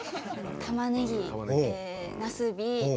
たまねぎなすび